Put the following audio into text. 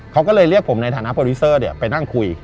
เขาก็เลยเรียกผมในฐานะโปรดิวเซอร์ไปนั่งคุย